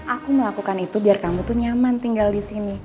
aku melakukan itu biar kamu tuh nyaman tinggal disini